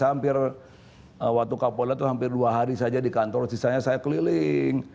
hampir waktu kapolda itu hampir dua hari saja di kantor sisanya saya keliling